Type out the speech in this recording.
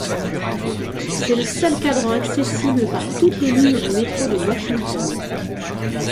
C'est le seul quadrant accessible par toutes les lignes du métro de Washington.